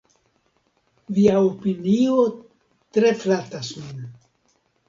Via opinio tre flatas min.